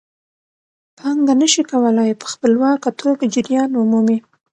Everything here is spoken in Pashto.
پانګه نشي کولای په خپلواکه توګه جریان ومومي